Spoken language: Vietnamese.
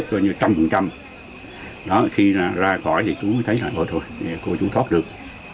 tức là như trăm phần trăm khi ra khỏi thì chú thấy là thôi thôi chú thoát được